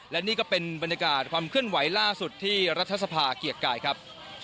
และนี่ก็เป็นบรรยากาศความเคลื่อนไหวล่าสุดที่รัฐสภาเกียรติกายครับ